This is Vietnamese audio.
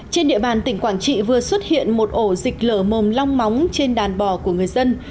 trên địa bàn tỉnh quảng trị vừa xuất hiện một ổ dịch lở mồm long móng trên đàn bò của người dân